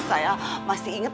saya masih ingat